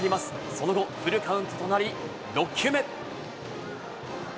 その後、フルカウントとなり、６球目。